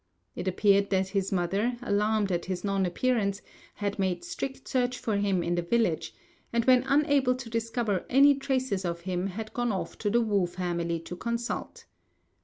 It appeared that his mother, alarmed at his non appearance, had made strict search for him in the village; and when unable to discover any traces of him, had gone off to the Wu family to consult.